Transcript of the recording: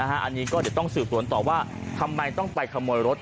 อันนี้ก็เดี๋ยวต้องสืบสวนต่อว่าทำไมต้องไปขโมยรถ